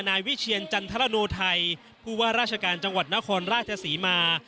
นายวิเชียรจันทรโนไทยผู้ว่าราชการจังหวัดนครราชศรีมา